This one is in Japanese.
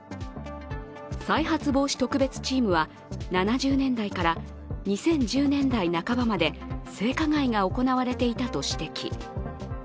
再発防止特別チームは７０年代から２０１０年代半ばまで性加害が行われていたと指摘。